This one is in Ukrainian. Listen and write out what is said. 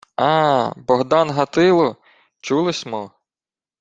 — А-а, Богдан Гатило! Чули смо!..